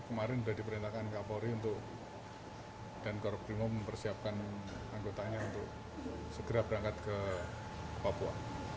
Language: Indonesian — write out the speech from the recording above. kemarin sudah diperintahkan kapolri dan korup brimob mempersiapkan anggotanya untuk segera berangkat ke papua